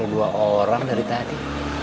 dua orang dari tadi